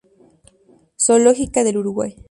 Zoológica del Uruguay.